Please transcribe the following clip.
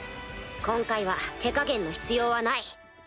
今回は手加減の必要はない。